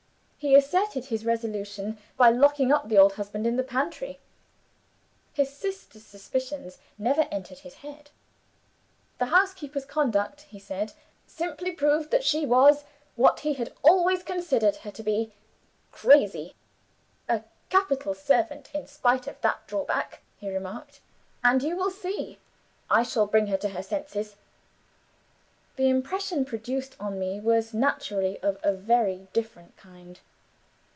He asserted his resolution by locking up the old husband in the pantry. His sister's suspicions never entered his head; the housekeeper's conduct (he said) simply proved that she was, what he had always considered her to be, crazy. 'A capital servant, in spite of that drawback,' he remarked; 'and you will see, I shall bring her to her senses.' The impression produced on me was naturally of a very different kind.